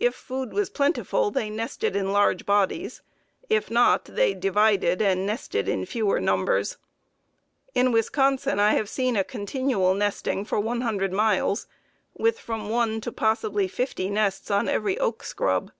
If food was plentiful they nested in large bodies; if not, they divided and nested in fewer numbers. In Wisconsin I have seen a continual nesting for 100 miles, with from one to possibly fifty nests on every oak scrub.